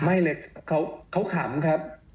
ไม่เลยเขาขำครับ